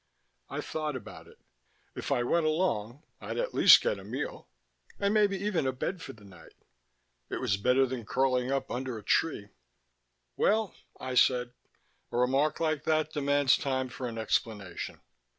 I thought about it. If I went along, I'd at least get a meal and maybe even a bed for the night. It was better than curling up under a tree. "Well," I said, "a remark like that demands time for an explanation."